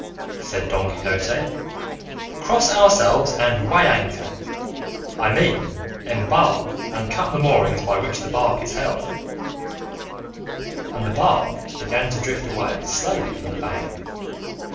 said Don Quixote, "cross ourselves and weigh anchor; I mean, embark and cut the moorings by which the bark is held;" and the bark began to drift away slowly from the bank.